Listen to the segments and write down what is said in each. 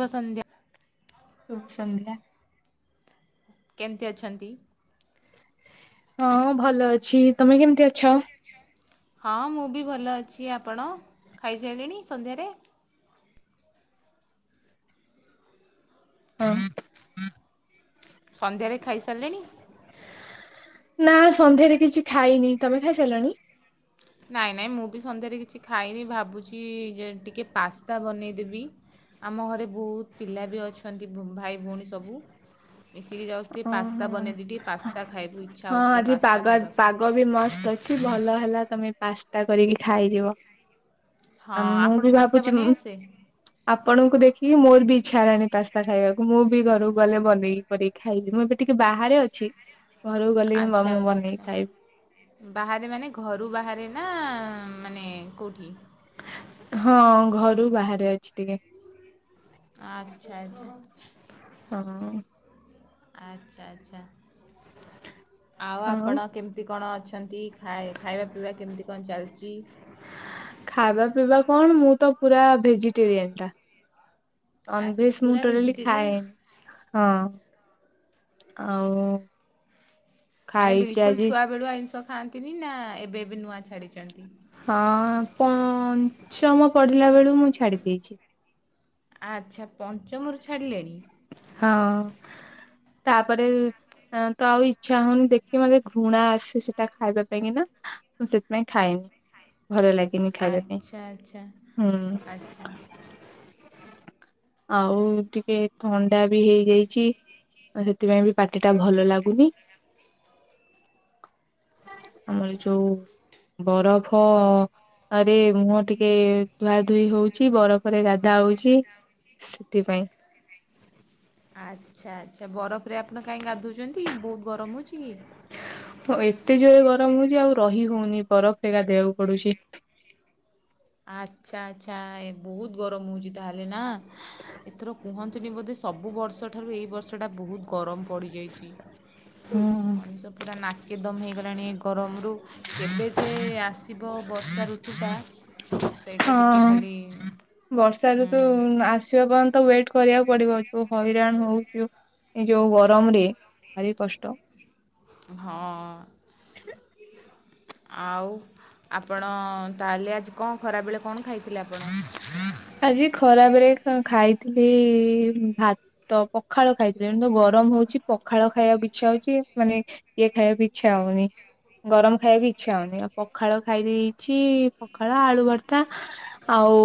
ଶୁଭ ସନ୍ଧ୍ୟା। ଶୁଭ ସନ୍ଧ୍ୟା। କେମିତି ଅଛନ୍ତି? ହଁ ଭଲ ଅଛି, ତମେ କେମିତି ଅଛ? ହଁ, ମୁଁ ବି ଭଲ ଅଛି। ଆପଣ ଖାଇସାରିଲେଣି ସନ୍ଧ୍ୟାରେ? ହଁ। ସନ୍ଧ୍ୟାରେ ଖାଇସାରିଲେଣି? ନା, ସନ୍ଧ୍ୟାରେ କିଛି ଖାଇନେହିଁ। ତମେ ଖାଇସାରିଲଣି? ନାଇଁ ନାଇଁ ମୁଁ ବି ସନ୍ଧ୍ୟାରେ କିଛି ଖାଇନେହିଁ ଭାବୁଛି ଯେ ଟିକେ ପାସ୍ତା ବନେଇଦେବି। ଆମ ଘରେ ବହୁତୁ ପିଲା ବି ଅଛନ୍ତି ଭାଇ ଭୋଉଣୀ ସବୁ। ମିଶିକି ଯାଉଚି ଟିକିଏ ପାସ୍ତା ହଁ ବନେଇବି ପାସ୍ତା ଖାଇବୁ ଇଚ୍ଛା ହେଉଛି ଟିକେ ପାସ୍ତା ଖାଇବାକୁ। ବିମସ୍ତ ଅଛି ଭଲ ହେଲା ତମେ ପାସ୍ତା କରିକି ଖାଇଯିବ। ନା ହଁ ମୁଁ ବି ଆପଣଙ୍କୁ ପାସ୍ତା ଭାବୁଚି ବନେଇ ମୁଁ। ଆସେ ଆପଣଙ୍କୁ ଦେଖିକି ମୋର ବି ଇଚ୍ଛା ହେଲାଣି ପାସ୍ତା ଖାଇବାକୁ ମୁଁ ବି ଘରକୁ ଗଲେ ବନେଇକି କରି ଖାଇବି। ମୁଁ ଏବେ ଟିକେ ବାହାରେ ଅଛି ଘରକୁ ଗଲେ ହିଁ ଆଚ୍ଛା ମୁଁ ବନେଇକି ଆଚ୍ଛା। ଖାଇବି। ବାହାରେ ମାନେ ଘରୁ ବାହାରେ ନା ମାନେ କଉଠି? ହଁ ଘରୁ ବାହାରେ ଅଛି ଟିକେ। ଆଚ୍ଛା ଆଚ୍ଛା। ହଁ। ଆଚ୍ଛା ଆଚ୍ଛା ଆଉ ଆପଣ କେମତି କେମିତି କଣ ଅଛନ୍ତି ଖାଇ ଖାଇବା ପିଇବା କେମିତି କଣ ଚାଲିଚି? ଖାଇବା ପିଇବା କଣ ମୁଁ ତ ପୁରା ଭେଜିଟେରିଆନ ଟା। ଆଚ୍ଛା ନନଭେଜ ମୁଁ ପୁରା ଟୋଟାଲି ଭେଜିଟେରିଆନ୍ ଖାଏନି। ହଁ ଆଉ ମାନେ ଖାଇଛି ବିଲକୁଲ ଆଜି ଛୁଆ ବେଳୁ ଆଇଁଷ ଖାଆନ୍ତିନି ନା ଏବେ ଏବେ ନୂଆ ଛାଡିଛନ୍ତି? ହଁ ପଁଞ୍ଚମ ପଢିଲାବେଳୁ ମୁଁ ଛାଡି ଦେଇଛି। ଆଚ୍ଛା ପଞ୍ଚମରୁ ଛାଡ଼ିଲେଣି? ହଁ ତାପରେ ଏଁ ତ ଆଉ ଇ ଇଚ୍ଛା ହଉନି ଦେଖିକି ମତେ ଘୃଣା ଆସେ ସେଟା ଖାଇବା ପାଇଁ କି ନା ମୁଁ ସେଥିପାଇଁ ଖାଏନି। ଭଲ ଲାଗେନି ଖାଇବା ଆଚ୍ଛା ଆଚ୍ଛା ପାଇଁ ହୁଁ। [inaudible] ଆଉ ଟିକେ ଥଣ୍ଡା ବି ହେଇଯାଇଛି ଆଉ ସେଥିପାଇଁ ବି ପାଟି ଟା ଭଲ ଲାଗୁନି। [inaudible] ଆମର ଯୋଉ ବରଫ ରେ ମୁହଁ ଟିକେ ଧୁଆ ଧୋଇ ହଉଛି ବରଫରେ ଗାଧା ହଉଛି। ସେଥିପାଇଁ। ଆଚ୍ଛା ଆଚ୍ଛା ବରଫରେ ଆପଣ କାହିଁକି ଗାଧୋଉଛନ୍ତି ବହୁତ ଗରମ ହେଉଛି କି? ହଁ ଏତେ ଜୋରେ ଗରମ ହଉଛି ଆଉ ରହି ହଉନି ବରଫରେ ଗାଧେଇବାକୁ ପଡୁଛି। ଆଚ୍ଛା ଆଚ୍ଛା ଏ ବହୁତ ଗରମ ହଉଛିି ତାହେଲେ ନା ହାଁ ଏଥର କୁହନ୍ତ ନ୍ତୁନି ବୋଧେ ସବୁ ବର୍ଷଠାରୁ ଏଇ ବର୍ଷଟା ବହୁତ ଗରମ ପଡ଼ିଯାଇଛି। ହଁ। ମଣିଷ ପୁରା ନାକେ ଦମ ହେଇଗଲାଣି ଏ ଗରମରୁ। କେବେ ଯେ ଆସିବ ବର୍ଷା ଋତୁଟା। ସେଇଟା ଟିକେ ହଁ ଖାଲି ବର୍ଷା ଋତୁ ହୁଁ ଆସିବା ପର୍ଯ୍ୟନ୍ତ ୱେଟ୍ କରିବାକୁ ପଡିବ ଯୋଉ ହଇରାଣ ହଉଚୁ ଯୋଉ ଗରମରେ ଭାରି କଷ୍ଟ। ହଁ ଆଉ ଆପଣ ତାହେଲେ ଆଜି କଣ ଖରାବେଳେ କଣ ଖାଇ ଥିଲେ ଆପଣ? ଆଜି ଖରାବେଳେ ଖ ଖାଇଥିଲି ଭାତ ତ ପଖାଳ ଖାଇଥିଲି ଏନୂତ ଗରମ ହଉଛି ପଖାଳ ଖାଇବାକୁ ଇଚ୍ଛା ହଉଛି ମାନେ ଇଏ ଖାଇବାକୁ ଇଚ୍ଛା ହଉନି। ଗରମ ଖାଇବାକୁ ଇଚ୍ଛା ହଉନି ଆଉ ପଖାଳ ଖାଇ ଦେଇଛି ପଖାଳ ଆଳୁ ଭର୍ତ୍ତା। ଆଉ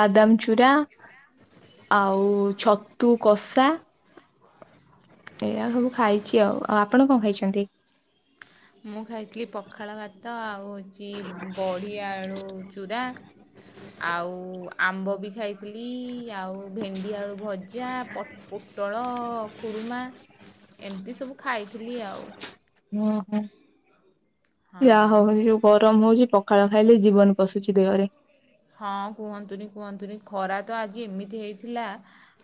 ବାଦାମ ଚୁରା। ଆଉ ଛତୁ କଷା। ଏଇଆ ସବୁ ଖାଇଛି ଆଉ। ଆଉ ଆପଣ କଣ ଖାଇଛନ୍ତି? ମୁଁ ଖାଇଥିଲି ପଖାଳ ଭାତ ଆଉ ହେଉଛି ବଢି ଆଳୁ ଚୁରା। ଆଉ ଆମ୍ବ ବି ଖାଇଥିଲି ଆଉ ଭେଣ୍ଡି ଆଳୁ ଭଜା ପ ପୋଟଳ ଖୁଡ଼ୁମା ଏମିତି ସବୁ ଖାଇଥିଲି ଆଉ। ହୁଁ ହୁଁ ହଁ ଯାହୋଉ ଏଇ ଯୋଉ ଗରମ ହଉଛି ପଖାଳ ଖାଇଲେ ଜୀବନ ପଶୁଛି ଦେହରେ। ହଁ କୁହନ୍ତୁନି କୁହନ୍ତୁନି ଖରା ତ ଆଜି ଏମିତି ହେଇଥିଲା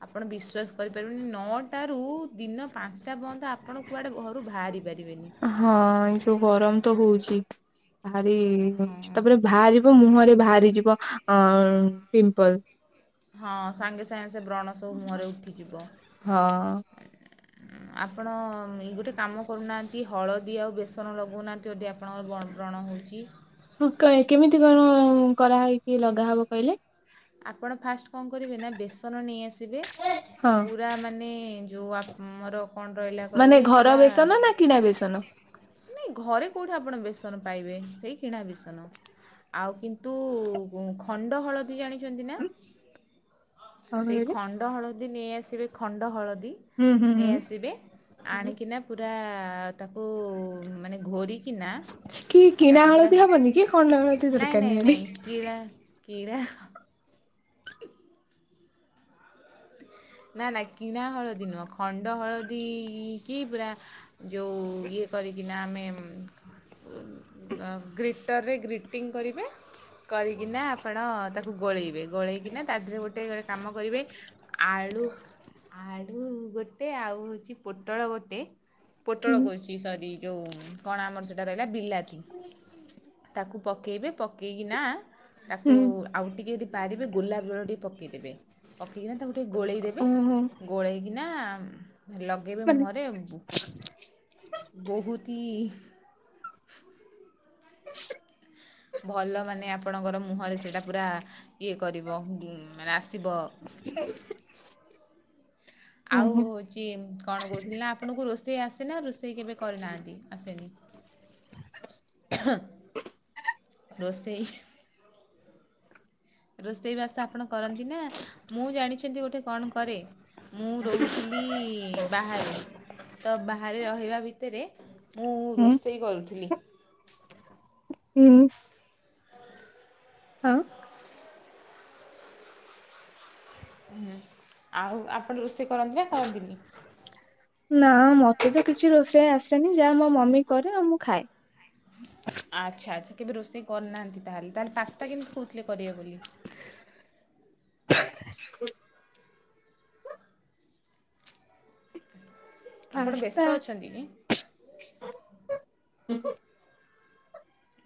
ଆପଣ ବିଶ୍ଵାସ କରିପାରିବେନି ନଅଟା ରୁ ଦିନ ପାଞ୍ଚଟା ପର୍ଯ୍ୟନ୍ତ ଆପଣ କୁଆଡୁ ଘରୁ ବାହାରି ପାରିବେନି। ହଁ ଏଇ ଯଉ ଗରମ ତ ହଉଛି। ବାହାରିବ ହଁ। ତାପରେ ବାହାରିବ ମୁହଁରେ ବାହାରିଯିବ ଅ ପିମ୍ପଲ୍। ହଁ ସାଙ୍ଗେ ସାଙ୍ଗେ ସେ ବ୍ରଣ ସବୁ ମୁହଁରେ ଉଠିଯିବ। ହଁ। ଆପଣ ଗୋଟେ କାମ କରୁନାହାଁନ୍ତି ହଳଦୀ ଆଉ ବେସନ ଲଗଉନାହାନ୍ତି ଯଦି ଆପ ଆପଣଙ୍କର ବ୍ରଣ ହୋଉଚି। ହଁ କାଇଁ କେମିତି କଣ କରାହେଇକି ଲଗାହବ କଇ ଲେ? ଆପଣ ଫାଷ୍ଟେ କଣ କରିବେ ନା ବେସନ ନେଇ ଆସିବେ ହଁ। ପୁରା ମାନେ ଯୋଉ ଆମର କଣ ରହିଲା ମାନେ କଇଲେ ଘର ପୁରା ବେସନ ନା କିଣା ବେସନ। ନାଇଁ ଘରେ କୋଉଠି ଆପଣ ବେସନ ପାଇବେ ସେଇ କିଣା ବେସନ? ଆଉ କିନ୍ତୁ ଖଣ୍ଡ ହଳଦୀ ଜାଣି ବିକନ୍ତିନା କଣ ସେଇ କହିଲେ? ଖଣ୍ଡ ହଳଦୀ ନେଇ ଆସିବେ ଖଣ୍ଡ ହଳଦୀ ହୁଁ ହୁଁ ହୁଁ ନେଇ ଆସିବେ ଆଣିକିନା ପୁରା ତାକୁ ମାନେ ଘୋରି କି ନା କି କିଣା ତାକୁ ପୁରା ହଳଦୀ ହବନି କି କଣ ହଳଦୀ ନାଇଁ ଦରକାର ନାଇଁ ନିହାତି। ନାଇଁ କିଳା କିରା। [inaudible] ନା ନା କିଣା ହଳଦୀ ନୁହଁ ଖଣ୍ଡ ହଳଦୀ କି ପୁରା ଯୋଉ ଇଏ କରିକିନା ଆମେ ଗ୍ରୀଟରରେ ଗ୍ରୀଟିଂ କରିବେ। କରିକିନା ଆପଣ ତାକୁ ଗୋଳେଇବେ ଗୋଳେଇକିନା ତା ଦେହରେ ଗୋଟେ ଗୋଟେ କାମ କରିବେ ଆଳୁ ଆଳୁ ଗୋଟେ ଆଉ ହୋଉଚି ପୋଟଳ ଗୋଟେ ହୁଁ ପୋଟଳ କୋହୁଚି ସରି ଯୋଉ କଣ ଆମର ସେଇଟା ରହିଲା ବିଲାତି। ତାକୁ ପକେଇବେ ପକେଇକି ନା। ତାକୁ ହୁଁ ଆଉ ଟିକେ ଜେଦି ପାରିବେ ଗୋଲାପ ଜଳ ଟିକେ ପକେଇ ଦେବେ ପକେଇକିନା ତାକୁ ଟିକେ ଗୋଳେଇ ଦେବେ ଓହୋ ଗୋଳେଇକିନା ଲଗେଇବେ ମାନେ ମୁହଁରେ। ବୋହୁତି ଭଲ ମାନେ ଆପଣଙ୍କର ମୁହଁରେ ସେଇଟା ପୁରା ଇଏ କରିବ ମାନେ ଆସିବ। ଆଉ ଓହୋ ଚି କଣ କୋହୁଥିଲି ନା ଆପଣଙ୍କୁ ରୋଷେଇ ଆସେନା ରୋଷେଇ କେବେ କରିନାହାନ୍ତି ଆସେନି? ରସେଇ ରୋଷେଇ ବାସ ଆପଣ କରନ୍ତି ନା ମୁଁ ଜାଣିଚନ୍ତି ଗୋଟେ କଣ କରେ? ମୁଁ ରୋହୁଥିଲି ବାହାରେ। ତ ବାହାରେ ରହିବା ଭିତରେ ମୁଁ ହୁଁ ରୋଷେଇ କରୁଥିଲି। ହୁଁ। ହଁ ଆଉ ଆପଣ ରୋଷେଇ କରନ୍ତି ନା କରନ୍ତିନି? ନାଁ ମତେ ତ କିଛି ରୋଷେଇ ଆସେନି ଯାଆ ମୋ ମମି କରେ ଆଉ ମୁଁ ଖାଏ। ଆଚ୍ଛା ଆଚ୍ଛା କେବେ ରୋଷେଇ କରିନାହାନ୍ତି ତାହେଲେ ତାହେଲେ ପାସ୍ତା କେମିତି କହୁଥିଲେ କରିବେ ବୋଲି? ଆପଣ ପାସ୍ତା ବ୍ୟସ୍ତ ଅଛନ୍ତି କି?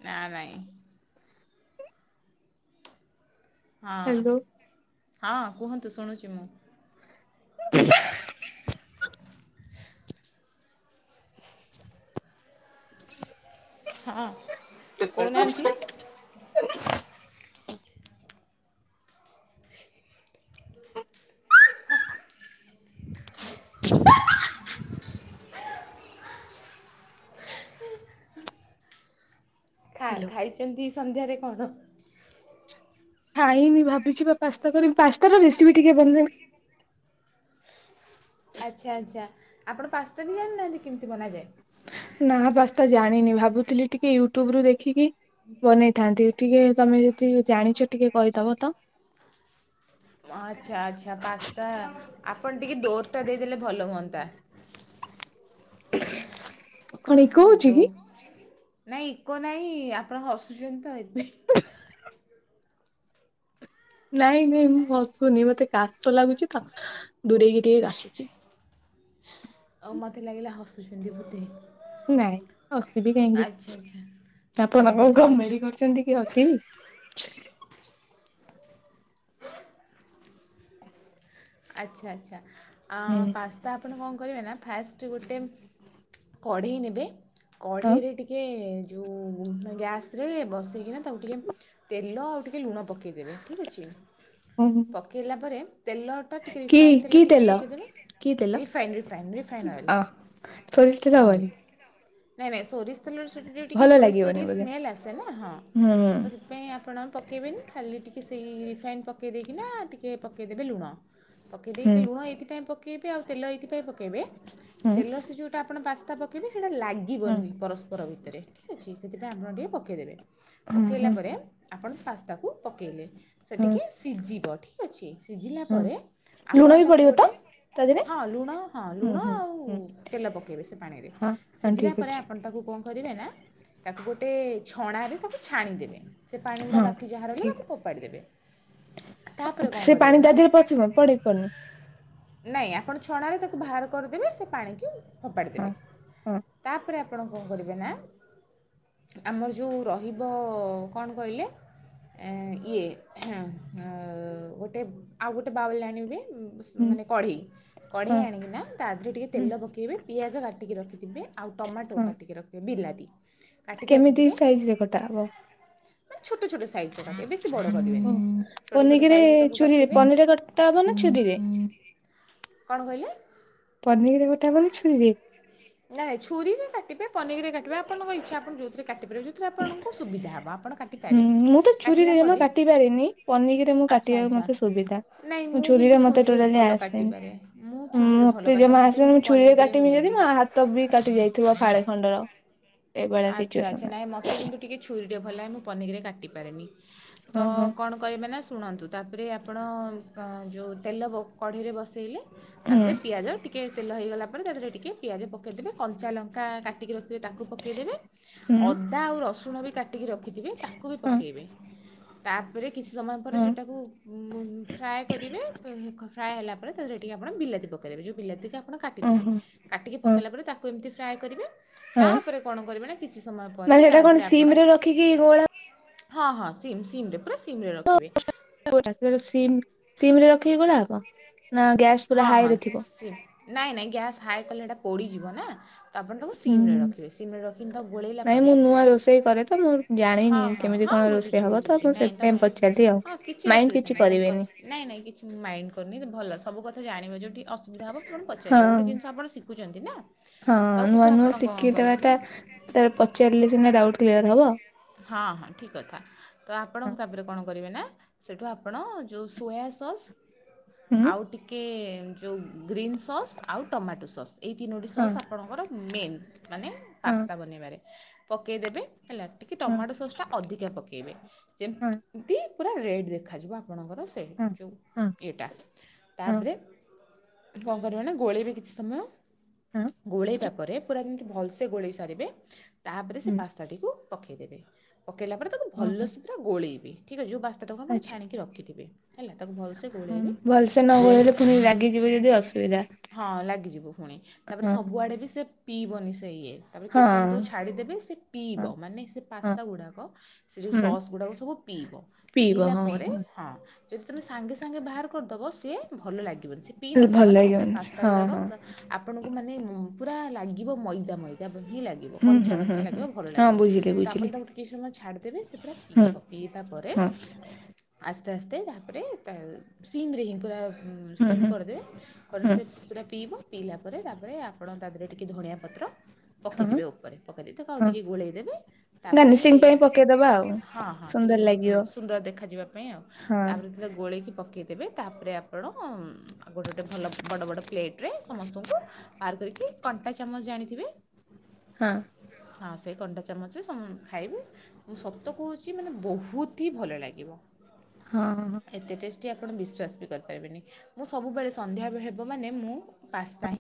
ନା ନାଇଁ ହଁ ହ୍ୟାଲୋ ହଁ କୁହନ୍ତୁ ଶୁଣୁଚି ମୁଁ। ହଁ କୋହୁନାହାନ୍ତି? [inaudible] ଖା ହ୍ୟାଲୋ। ଖାଇଚନ୍ତି ସନ୍ଧ୍ୟାରେ କଣ? ଖାଇନି ଭାବିଚି ବା ପାସ୍ତା କରିବି ପାସ୍ତାର ରେସିପି ଟିକେ [unintelligible] ଆଚ୍ଛା ଆଚ୍ଛା ଆପଣ ପାସ୍ତା ବି ଜାଣିନାହାନ୍ତି କେମିତି ବନାଯାଏ? ନା ପସ୍ତା ଜାଣିନି ଭାବୁଥିଲି ଟିକେ ୟୁଟ୍ୟୁବ ରୁ ଦେଖିକି ବନେଇବି। ଥାନ୍ତି ଟିକେ ତମେ ଯଦି ଜାଣିଛ ଟିକେ କହିଦବ ତ। ଆଚ୍ଛା ଆଚ୍ଛା ପାସ୍ତା ଆପଣ ଟିକେ ଡୋର ଟା ଦେଇଦେଲେ ଭଲ ହୁଅନ୍ତା। କଣ ଇକୋ ହଉଛି କି? ଯୋଉ ନାଇଁ ଇକୋ ନାଇଁ ଆପଣ ହସୁଛନ୍ତି ତ ଏ ନାଇଁ ନାଇଁ ମୁଁ ହସୁନି ମତେ କାଶ ଲାଗୁଛି ତ ଦୂରେଇକି ଟିକେ ଆସୁଛି। ଆଉ ମୋତେ ଲାଗିଲା ହସୁଛନ୍ତି ବୋଧେ। ନାଇଁ ହସିବି ଆଚ୍ଛା ଆଚ୍ଛା କାହିଁକି ଆପଣ କଣ ଆଚ୍ଛା ଆଚ୍ଛା କମେଡି କରିଛନ୍ତି କି ହସିବି। [inaudible] ଆଚ୍ଛା ଆଚ୍ଛା ଅଁ ପା ହୁଁ ତା ଆପଣ କଣ କରିବେ ନା ଫାଷ୍ଟ ଗୋଟେ କଢ଼େଇ ନେବେ। କଢ଼େଇରେ ଟିକେ ଉଁ ଗ୍ୟାସ୍ ରେ ବସେଇକିନା ତାକୁ ଟିକେ ତେଲ ଆଉ ଟିକେ ଲୁଣ ପକେଇ କେଇ ଦେବେ ଠିକ ଅଛି ହଁ। ପକେଇଲା ପରେ ତେଲ ତ ଟିକେ କି ରିଫାଇନ କି ତେଲ ଟିକେ ପକେଇଦେବେ। କି ତେଲ ରିଫାଇନ ରିଫାଇନ ରିଫାଇନ ସୋରିଷ ତେଲ ଅଏଲ। ହବନି ନାଇଁ ନାଇଁ ସୋରିଷ ତେଲର ସେ ଟିକେ ଭଲ ସୋରିଷ ତେଲର ଲାଗିବନି ଟିକେ ବୋଧେ ସ୍ମେଲ୍ ଆସେ ନା ହଁ ହୁଁ ତ ସେ ପାଇଁ ଆପଣ ପକେଇବେନି ଖାଲି ଟିକେ ସେଇ ରିଫାଇନ୍ ପକେଇ ଦେଇକିନା ଟିକିେ ପକେଇଦେବେ ଲୁଣ। ପକେଇ ହୁଁ ଦେଇକି ଲୁଣ ଏଇଥିପାଇଁ ପକେଇବେ ଆଉ ତେଲ ଏଇଥିପାଇଁ ପକେଇବେ ହୁଁ ତେଲ ସେ ଯଉ ତା ଆପଣ ପାସ୍ତା ପକେଇବେ ସେଇଟା ହୁଁ ଲାଗିବନି ପରସ୍ପର ଭିତରେ ଠିକ ଅଛି ସେଥିପାଇଁ ଆପଣ ଟିକେ ପକେଇଦେବେ। ହୁଁ ପକେଇଲା ହୁଁ ପରେ ଆପଣ ପାସ୍ତାକୁ ପକେଇଲେ। ସେ ହୁଁ ଟିକେ ସିଝିବ ଠିକ ଅଛି ସିଝିଲା ହୁଁ ପରେ ଆପଣ ଲୁଣ ବି ତାକୁ ପଡିବ ତ ଗୋଟେ ତା ଦେହରେ ହଁ ଲୁଣ ହଁ ହୁଁ ଲୁଣ ହୁଁ ଆଉ ହୁଁ ତେଲ ପକେଇବେ ସେ ପାଣିରେ। ହଁ ହଁ ସିଝିଲା ଠିକ ପରେ ଅଛି ଆପଣ ତାକୁ କଣ କରିବେ ନା ତାକୁ ଗୋଟେ ଛଣାରେ ତାକୁ ଛାଣିଦେବେ। ସେ ପାଣି ଗୁଡ଼ା ହଁ ବାକି ଯାହା ରହିଲା ତାକୁ ଠିକ ଫୋପାଡ଼ି ଦେବେ। ତାପରେ କ'ଣ ସେ କରିବେ ପାଣି ନା ତା ଦେହରେ ପଶିବ ପଡ଼ି ବନି। ନାଇଁ ଆପଣ ଛଣାରେ ତାକୁ ବାହାର କରିଦେବେ ସେ ପାଣ କି ଫୋପାଡ଼ି ହଁ ଦେବେ ହଁ ତାପରେ ଆପଣ କଣ କରିବେ ନା ଆମର ଯୋଉ ରହିବ କଣ କହିଲେ ଏଁ ଇଏ ଗୋଟେ ଆଉ ଗୋଟେ ବାଉଲ୍ ଆଣିବେ ହୁଁ ମାନେ କଢ଼େଇ କଢ଼େଇ ହଁ ଆଣିକିନା ତା ଦେହରେ ଟିକିଏ ହୁଁ ତେଲ ପକାଇବେ। ପିଆଜ କାଟିକି ରଖିଥିବେ ଆଉ ଟମାଟୋ ହଁ କାଟିକି ରଖିବେ ବିଲାତି। କାଟିକି କେମିତି ରଖିଥିବେ। ସାଇଜ ରେ କଟା ହବ ମାନେ ଛୋଟ ଛୋଟ ସାଇଜ ର କାଟିବେ ବେଶୀ ବଡ କରିବେନି ଛୋଟ ଛୋଟ ପନିକିରେ ସାଇଜ ର ତାକୁ ଛୁରୀରେ କାଟିବେ। [unintelligible] କଣ କହିଲେ ପନିକିରେ କଟା ହେବନି ଛୁରୀରେ ନାଇ ଛୁରୀରେ କା କାଟିବେ ପନିରେ କାଟିବେ ଆପଣଙ୍କ ଇଚ୍ଛା ଆପଣ ଯୋଉଥିରେ କାଟିବେ ପାରେ ଯୋଉଥିରେ ଆପଣଙ୍କୁ ସୁବିଧା ହେବ ଆପଣ ହୁଁ କାଟିପାରିବେ ମୁଁ ତ ଛୁରୀରେ କାଟିଲା ଜମା ପରେ କାଟି ପାରିନି ପନିକିରେ ମୁଁ ଆଚ୍ଛା କାଟିବାକୁ ଆଚ୍ଛା ମତେ ସୁବିଧା। ନାଇଁ ମୁଁ କିନ୍ତୁ ଛୁରୀରେ ମତେ ଟୋଟାଲି ଭଲ କାଟିପାରେ ମୁଁ ଆସେନି ଛୁରୀରେ ଭଲ ମତେ କାଟେ ଜମା ମୋତେ ଆସେନି କିନ୍ତୁ ମୁଁ ଛୁରୀରେ ପନିକିରେ କାଟିବି ହୁଏନି ଯଦି ମୋ ହା ହାତ ବି କାଟି ଯାଇଥିବା ଫାଳ ଖଣ୍ଡର ଏଇଭଳିଆ ଆଚ୍ଛା ଆଚ୍ଛା ସିଚୁଏସନ। ନାଇଁ ମୋତେ କିନ୍ତୁ ଟିକେ ଛୁରୀରେ ଭଲ ଲାଗେ ମୁଁ ପନିକିରେ କାଟିପାରେନି ତ ହଁ ହଁ କଣ କରିବେ ନା ଶୁଣନ୍ତୁ ତାପରେ ଆପଣ ଯୋଉ ତେଲ କଢ଼େଇରେ ବସେଇଲେ। ତା ହୁଁ ଦେହରେ ପିଆଜ ଟି ଟିକେ ତେଲ ହେଇଗଲା ପରେ ତା ଦେରେ ଟିକେ ପିଆଜ ପକେଇଦେବେ କଞ୍ଚା ଲଙ୍କାକାଟି କି ରଖିଥିବେ ତାକୁ ପ। ପକେଇଦେବେ ହୁଁ ଅଦା ଆଉ ରସୁଣ ବି କାଟିକି ରଖିଥିବେ ତାକୁ ବି ହଁ ପକେଇବେ ତା। ପରେ କିଛି ସମୟ ପରେ ହଁ ସେଟାକୁ। ଉଁମ୍ ଫ୍ରାଏ କରିବେ ଫ୍ରାଏ ହେଲା ପରେ ତାଦେହେରେ ଟିକିଏ ଆପଣ ବିଲାତି ପକେଇ ଦେବେ ଯେଉଁ ବିଲାତି ଟା। ଆପଣ କାଟିଥିବେ ଓହୋ କାଟିକି ହଁ ପକେଇଲା ପରେ ତାକୁ ଏମିତି ଫ୍ରାଏ କରିବେ ହଁ ତାପରେ। କ'ଣ କରିବେ ନା କିଛି ସମୟ ମାନେ ପରେ ତା ସେଟା କଣ ଦେହେରେ ସିମ ଆପଣ। ରେ ରଖିକି ଗୋଳା ହଁ, ହଁ ସିମ୍, ସିମ୍ ରେ ପୁରା ସିମ୍ ରେ ରଖିବେ। [inaudible] ସିମ୍ ରେ ରଖିକି ଗୋଳା ହବ ନା ଗ୍ୟାସ। ହଁ, ହଁ ସେ ନାଇଁ, ନାଇଁ ଗ୍ୟାସ୍ ହାଏ କଲେ ହେଟା ପୋଡିଯିବ ନା। ଆପଣ ତାକୁ ହୁଁ ସିମ୍ ରେ ରଖିବେ ସିମ୍ ରେ ରଖିକି ତାକୁ ଗୋଳେଇଲା ନାଇଁ ପରେ ମୁଁ ନୂଆ ରୋଷେଇ କରେ ତ ମୁଁ ହଁ, ଜାଣିନି ହଁ, କେମିତି ହଁ କଣ ରୋଷେଇ ବୁଝୁଛି। ହବ ବୁଝୁଚି, ତ ବୁଝୁଚି ମୁଁ ନାଇଁ ସେଥିପାଇଁ ତମେ ପଚାରିଲି ଆଉ ହଁ କିଛି ମାଇଣ୍ଡ ଅସୁବିଧା କିଛି ନାଇଁ ତମେ କରିବେନି। ପଚା ନାଇଁ, ନାଇଁ କିଛି ମାଇଣ୍ଡି କରୁନି ଭଲ ସବୁ। ସବୁ କଥା ଜାଣିବ ଯେଉଁଠି ଅସୁବିଧା ହବ ପୁଣି ପଚାରିବେ ଗୋଟେ ହଁ ଜିନିଷ ଆପଣ ଣିଖୁଛନ୍ତି ନା। ହଁ ତ ସେଠୁ ନୂଆ, ନୂଆ ଆପଣ କ'ଣ ଶିଖିକି କରିବେ ନା ଦେବାଟା ଯେତେବେଳେ ପଚାରିଲେ ସିନା ଡାଉଟ୍ କ୍ଲିୟର ହବ। ହଁ, ହଁ ଠିକ କଥା। ତ ଆପଣ ହଁ ତାପରେ କ'ଣ କରିବେ ନା ସେଠୁ ଆପଣ ଯୋଉ ସୋୟା ସସ୍। ହୁଁ ଆଉ ଟିକେ। ଯୋଉଁ ଗ୍ରୀନ୍ ସସ୍ ଆଉ ଟମାଟୋ ସସ୍ ଏହି ତିନୋଟି ହଁ ସସ୍ ଆପଣଙ୍କର ମେନ୍। ମାନେ ହଁ ପାସ୍ତା ବନେଇବାରେ। ପକେଇଦେବେ ହେଲା ଟିକେ ହଁ ଟମାଟୋ ସସ୍ ଟା ଅଧିକା ପକାଇବେ ହଁ ଯେମିତି। ପୁରା ରେଡ଼ ଦେଖାଯିବ ଆପଣଙ୍କର ସେଇ ହଁ ଯେଉଁ ହଁ ଇଏଟା ହଁ ତାପରେ। କ'ଣ କରିବେନା ଗୋଳେଇବେ କିଛି ସମୟ ହଁ ଗୋଳେଇବା ପରେ ପୁରା ଦିନ। ଭଲସେ ଗୋଳେଇ ସାରିବେ ତାପରେ ସେ ହୁଁ ପାସ୍ତା ଟିକୁ ପକେଇଦେବେ ପକେଇଲା ପରେ। ତାକୁ ହଁ ହଁ ଭଲସେ ପୁରା ଗୋଳେଇବେ ଠିକ୍ ଅଛି ଯୋଉଁ ପାସ୍ତା ଟାକୁ ଆପଣ ଆଚ୍ଛା ଛାଣିକି ରଖିଥିବେ ହେଲା ତାକୁ ଭଲସେ ଗୋଳେଇବେ। ସେ ନ ଗୋଳେଇଲେ ଗୋଳେଇବେ ପୁଣି ରାଗିଯିବେ ଯଦି ଅସୁବିଧା। ହଁ ଲାଗିଯିବ ପୁଣି ତାପରେ ହଁ ସବୁଆଡ଼େ ବି ସେ ପିଇବନି ସେ ଇଏ। ତାପରେ ହଁ କେଶସମୟ ତାକୁ ଛାଡ଼ିଦେବେ ସେ ହଁ ପିଇବ ମାନେ ସେ ହଁ ପାସ୍ତା ଗୁଡ଼ାକ। ସେ ଯୋଉ ହୁଁ ସସ୍ ଗୁଡାକ ସବୁ ପିଇବ। ପିଇବ ପିଇଲା ହଁ ପରେ ହଁ ଯଦି ତମେ ସାଙ୍ଗେ, ସାଙ୍ଗେ ବାହାର କରିଦବ ସେ। ସିଏ ଭଲ ଲାଗିବନି ସିଏ ପିଇ ହଁ ଭଲ ନଥିବ ନା ସେ ଲାଗିବନି ପାସ୍ତା ହଁ ହଁ ଗୁଡ଼ାକ। ଆପଣଙ୍କୁ ମାନେ ପୁରା ଲାଗିବ ମଇଦା, ମଇଦା ହିଁ ଲାଗିବ ହୁଁ ହୁଁ କଞ୍ଚା, ହୁଁ କଞ୍ଚା ହୁଁ ଲାଗିବ ଭଲ ହଁ ଲାଗିବନି। ବୁଝିଲି ତା ବୁଝିଲି ପରେ ତାକୁ କିଛି ସମୟ ଛାଡ଼ିଦେବି ସେ ପୁରା ହୁଁ ପିଇବ ପିଇବା ପରେ। ହଁ ଆସ୍ତେ, ଆସ୍ତେ ତାପରେ ତା ସିିମ୍ ରେ ହିଁ ପୁରା। ଉଁ ହୁଁ ସିମ୍ ହୁଁ କରିଦେବେ କରି ହୁଁ ସେ। ପୁରା ପିଇବ ପିଇଲା ପରେ ତାପରେ ଆପଣ ତା ଦେହରେ ଟିକେ ଧଣିଆ ପତ୍ର। ହଁ ପକେଇଦେବେ ଉପରେ ପକେଇଦେଇଥିବେ ତାକୁ ଆଉ ହଁ ଟିକିଏ ଗୋଳେଇ ଦେବେ। ତାପରେ ଗାର୍ନିସିଂ ପାଇଁ ପକେଇଦବା ଆଉ ହଁ, ହଁ ସୁନ୍ଦର ଲାଗିବ ଟିକେ ସୁନ୍ଦର ଦେଖ ଯିବା ପାଇଁ ଆଉ ହଁ ତାପରେ। ତାପରେ ଗୋଳେଇକି ପକାଇଦେବେ ତାପରେ ଆପଣ। ଆଉ ଗୋଟେ, ଗୋଟେ ଭଲ ବଡ଼, ବଡ଼ ପ୍ଲେଟ ରେ ସମସ୍ତଙ୍କୁ। ବାହାର କରିକି କଣ୍ଟା ଚାମଚ ଜାଣିଥିବେ। ହଁ। ହଁ ସେଇ କଣ୍ଟା ଚାମଚ ରେ ସମୁଁ ଖାଇବୁ। ମୁଁ ସତ କହୁଛି ମାନେ ବହୁତୁ ହିଁ ଭଲ ଲାଗିବ। ହଁ, ହଁ, ହଁ। ଏତେ ଟେଷ୍ଟି ଆପଣ ବିଶ୍ୱାସ ବି କରିପାରିବେନି ମୁଁ ସବୁବେଳେ ସନ୍ଧ୍ୟାବେଳେ ହେବ ମାନେ ମୁଁ ପାସ୍ତା ହିଁ।